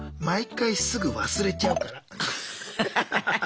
毎回すぐ忘れちゃうから。